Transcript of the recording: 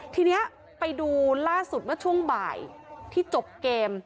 ทีนี้ไปดูล่าสุดเมื่อช่วงบ่ายที่จบเกม